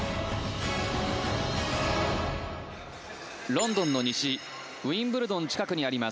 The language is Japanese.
ロンドンの西ウィンブルドン近くにあります